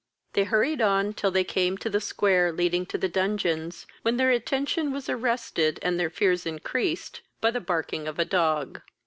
They hurried on till they came to the square leading to the dungeons, when their attention was arrested, and their fears increased by the barking of a dog.